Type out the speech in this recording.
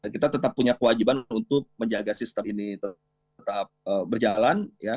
kita tetap punya kewajiban untuk menjaga sistem ini tetap berjalan